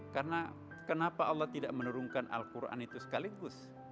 karena kenapa allah tidak menurunkan al quran itu sekaligus